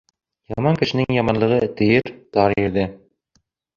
Яман кешенең яманлығы тейер тар ерҙә.